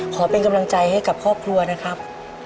ขอเป็นกำลังใจให้กับครอบครัวนะครับ